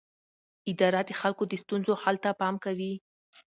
اداره د خلکو د ستونزو حل ته پام کوي.